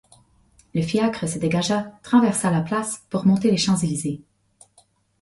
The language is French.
Le fiacre se dégagea, traversa la place, pour monter les Champs-Elysées.